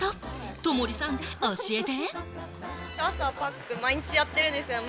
友利さん、教えて！